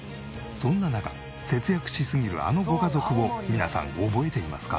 そんな中節約しすぎるあのご家族を皆さん覚えていますか？